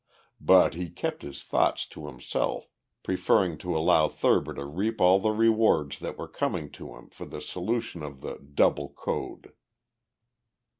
But he kept his thoughts to himself, preferring to allow Thurber to reap all the rewards that were coming to him for the solution of the "double code."